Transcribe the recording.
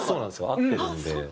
合ってるんで。